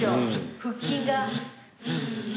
腹筋が。